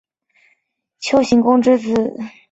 丘行恭之子。